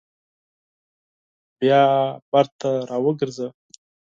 بیا بېرته راوګرځه !